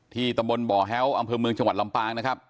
ตำบลบ่อแฮ้วอำเภอเมืองจังหวัดลำปางนะครับ